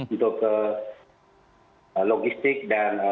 itu ke logistik dan